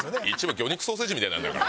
魚肉ソーセージみたいなんだから。